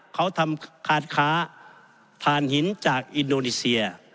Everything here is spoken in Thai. เขาทำคาดค้าฐานหินจากอินโดนีเซีย